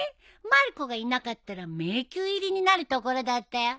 まる子がいなかったら迷宮入りになるところだったよ。